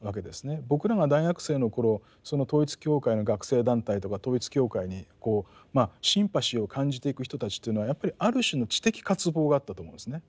僕らが大学生の頃その統一教会の学生団体とか統一教会にシンパシーを感じていく人たちというのはやっぱりある種の知的渇望があったと思うんですね。